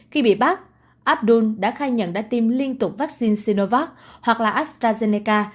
khi bị bắt abdul đã khai nhận đã tiêm liên tục vaccine sinovac hoặc astrazeneca